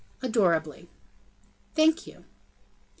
"Adorably." "Thank you."